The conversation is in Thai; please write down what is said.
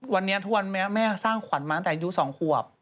วันนี้ทุกวันนี้แม่สร้างขวัญมาตั้งแต่อายุ๒ขวบ